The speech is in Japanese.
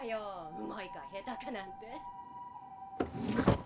うまいか下手かなんて。